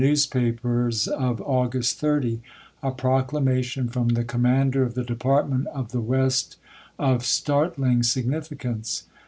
newspapers of August 30, a proclamation from the commander of the Department of the West of start ling significance.